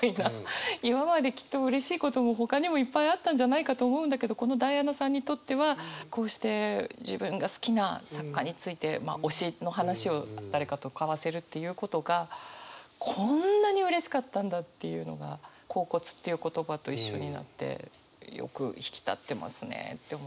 今まできっとうれしいこともほかにもいっぱいあったんじゃないかと思うんだけどこのダイアナさんにとってはこうして自分が好きな作家について推しの話を誰かと交わせるっていうことがこんなにうれしかったんだっていうのが「恍惚」という言葉と一緒になってよく引き立ってますねって思います。